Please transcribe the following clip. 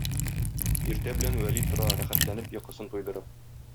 Иртә белән Вәли тора рәхәтләнеп йокысын туйдырып.